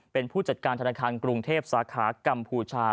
เป็นผู้จัดการธนาคารกรุงเทพสาขากัมพูชา